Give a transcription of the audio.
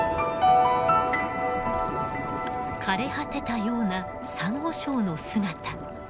枯れ果てたようなサンゴ礁の姿。